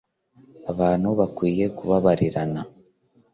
abantu bakwiye kubabarirana